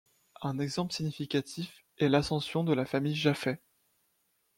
Un exemple significatif est l'ascension de la famille Jafet.